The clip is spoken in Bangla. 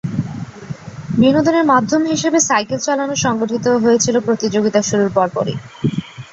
বিনোদনের মাধ্যম হিসাবে সাইকেল চালানো সংগঠিত হয়েছিল প্রতিযোগিতা শুরুর পর পরই।